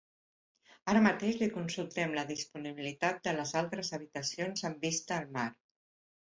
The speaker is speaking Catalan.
Ara mateix li consultem la disponibilitat de les altres habitacions amb vista al mar.